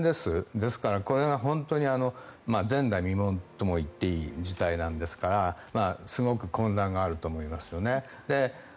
ですから、これが本当に前代未聞とも言っていい事態ですからすごく混乱があると思いますよね。